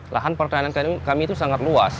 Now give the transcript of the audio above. lahan pertanian kami itu sangat luas